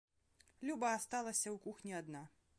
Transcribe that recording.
Люба асталася ў кухні адна.